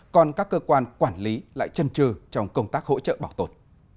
còn các cơ quan quản lý lại chân trừ trong công tác hỗ trợ bảo tồn